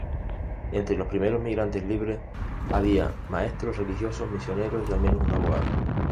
Entre los primeros migrantes libres, había maestros religiosos, misioneros y al menos un abogado.